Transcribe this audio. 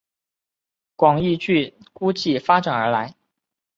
广义矩估计发展而来。